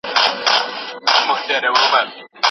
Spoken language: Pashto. سينټ اګوستين يو مهم عالم و.